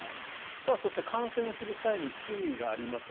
そして観戦する際に注意があります。